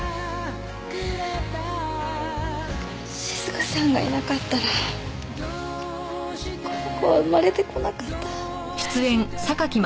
静香さんがいなかったらこの子は生まれてこなかった。